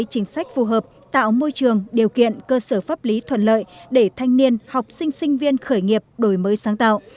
chính sách phù hợp tạo môi trường điều kiện cơ sở pháp lý thuận lợi để thanh niên học sinh sinh viên khởi nghiệp đổi mới sáng tạo